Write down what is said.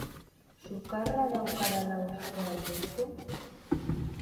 Sukarra daukadala uste al duzu?